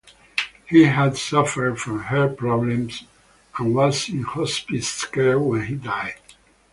He had suffered from heart problems and was in hospice care when he died.